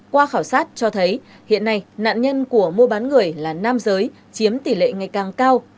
qua khảo sát cho thấy hiện nay nạn nhân của mua bán người là nam giới chiếm tỷ lệ ngày càng cao